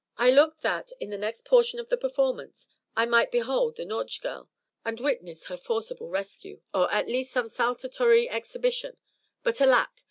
I looked that, in the next portion of the performance, I might behold the nautch girl, and witness her forcible rescue or at least some saltatory exhibition; but, alack!